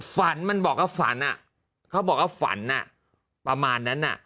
ฝันมันบอกว่าฝันเขาบอกว่าฝันประมาณนั้น